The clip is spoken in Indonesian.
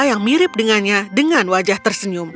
yang mirip dengannya dengan wajah tersenyum